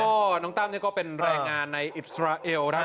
ก็น้องตั้มนี่ก็เป็นแรงงานในอิสราเอลครับ